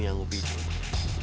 yang umbi dulu